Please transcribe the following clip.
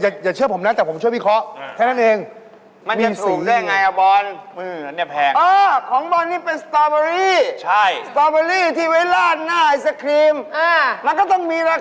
เดี๋ยวเชื่อผมนะแต่ผมเชื่อพี่เค๊าะ